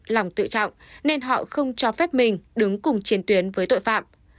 lòng tự trọng nên họ không cho phép mình đứng cùng chiến tuyến với tội phạm